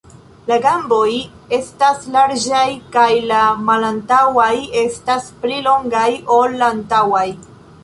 La gamboj estas larĝaj kaj la malantaŭaj estas pli longaj ol la antaŭaj.